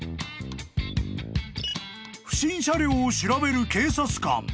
［不審車両を調べる警察官。